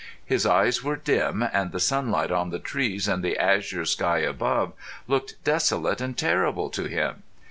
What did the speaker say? His eyes were dim, and the sunlight on the trees and the azure sky above looked desolate and terrible to him.